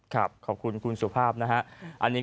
ขอบคุณครูสุภาพนะอันนี้